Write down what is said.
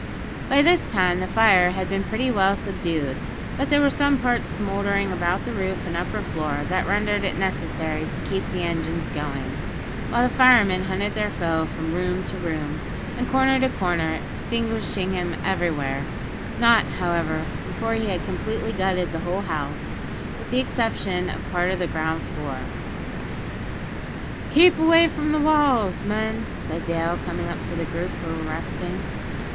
By this time the fire had been pretty well subdued; but there were some parts smouldering about the roof and upper floor, that rendered it necessary to keep the engines going, while the firemen hunted their foe from room to room, and corner to corner extinguishing him everywhere; not, however, before he had completely gutted the whole house, with the exception of part of the ground floor. "Keep away from the walls, men," said Dale, coming up to the group, who were resting.